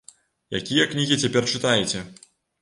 Якія кнігі цяпер чытаеце?